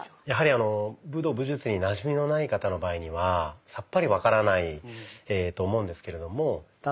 やはり武道・武術になじみのない方の場合にはさっぱり分からないと思うんですけれども。